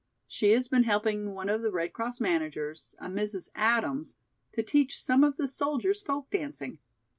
She has been helping one of the Red Cross managers, a Mrs. Adams, to teach some of the soldiers folk dancing.